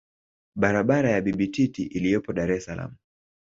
Barabara ya Bibi Titi iliyopo Dar es salaam